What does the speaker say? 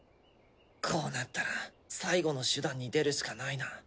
こうなったら最後の手段に出るしかないな。